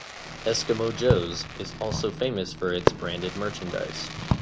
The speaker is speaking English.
Eskimo Joe's is also famous for its branded merchandise.